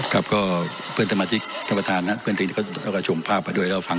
ครับก็เพื่อนธรรมชีพเธอประทานนะเพื่อนที่ก็ชมภาพไปด้วยแล้วฟัง